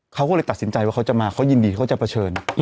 เขาก็เลยตัดสินใจว่าเขาจะมาเขายินดีเขาจะเผชิญ